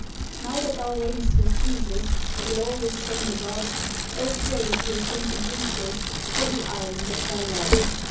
"Now that thou reign'st with Jesus, A glorious Saint above, O pray, dear St. Dubritius, For the island of thy love!"